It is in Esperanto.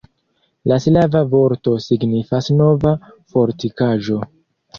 La slava vorto signifas Nova fortikaĵo.